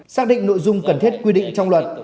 xác định nội dung cần thiết quy định trong luật